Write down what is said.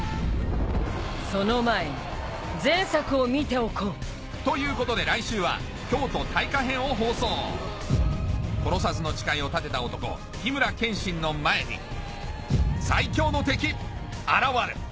その前に前作を見ておこうということで来週はを放送不殺の誓いを立てた男緋村剣心の前に最狂の敵現る